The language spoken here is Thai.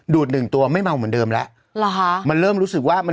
ดูดหนึ่งตัวไม่เม่าเหมือนเดิมละละฮะ